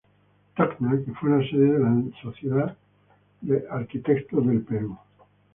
Tacna, el cual fue la antigua sede de la Sociedad Arquitectos del Perú.